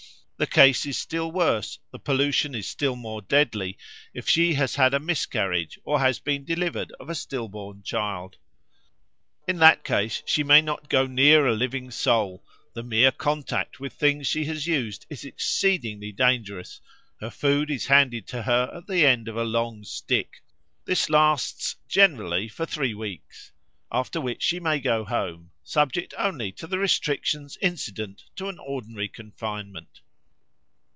The case is still worse, the pollution is still more deadly, if she has had a miscarriage or has been delivered of a stillborn child. In that case she may not go near a living soul: the mere contact with things she has used is exceedingly dangerous: her food is handed to her at the end of a long stick. This lasts generally for three weeks, after which she may go home, subject only to the restrictions incident to an ordinary confinement.